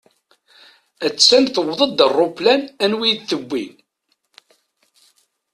A-tt-an tewweḍ-d ṛṛuplan, Anwi i d-tewwi.